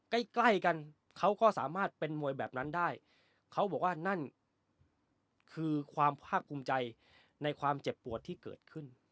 ใกล้ใกล้กันเขาก็สามารถเป็นมวยแบบนั้นได้เขาบอกว่านั่นคือความภาคภูมิใจในความเจ็บปวดที่เกิดขึ้น